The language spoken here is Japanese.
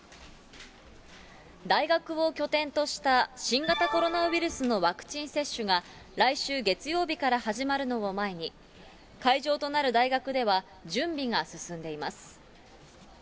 大学を拠点とした新型コロナウイルスのワクチン接種が、来週月曜日から始まるのを前に、会場となる大学では準備が進んでいます。